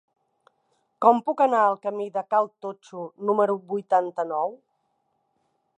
Com puc anar al camí de Cal Totxo número vuitanta-nou?